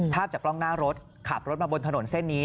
ภาพจากกล้องหน้ารถขับรถมาบนถนนเส้นนี้